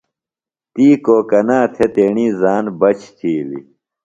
تی کوکنا تھےۡ تیݨی زان بچ تِھیلیۡ۔